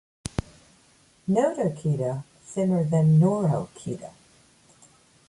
Notochaetae thinner than neurochaetae.